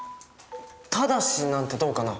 「ただし」なんてどうかな？